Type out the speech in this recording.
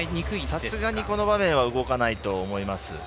さすがにこの場面は動かないと思います。